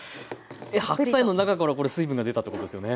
え白菜の中からこれ水分が出たってことですよね？